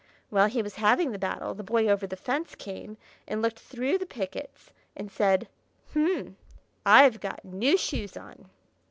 While he was having the battle, the Boy Over the Fence came and looked through the pickets, and said, "Hurnh! I've got new shoes on!"